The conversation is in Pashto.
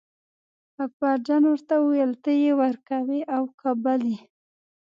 اکبرجان ورته وویل ته یې ورکوې او که بل یې.